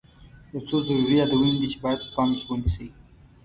یو څو ضروري یادونې دي چې باید په پام کې ونیسئ.